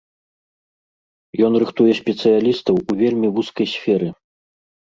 Ён рыхтуе спецыялістаў у вельмі вузкай сферы.